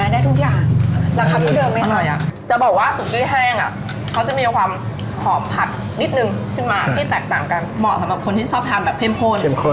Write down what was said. ได้ทุกอย่างราคาไม่ยอมไม่ค่อย